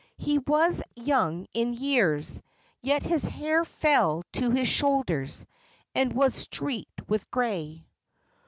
He was young in years, yet his hair fell to his shoulders and was streaked with gray.